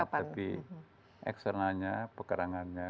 tapi externalnya pekerangannya